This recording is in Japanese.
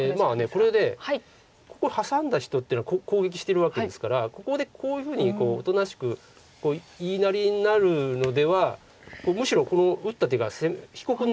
これでここハサんだ人っていうのは攻撃してるわけですからここでこういうふうにおとなしく言いなりになるのではむしろこの打った手が被告になってしまう。